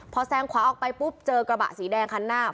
พอแซงขวาออกไปปุ๊บเจอกระบะสีแดงคันหน้า